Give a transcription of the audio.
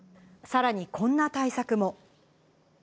さらにこんな対策も。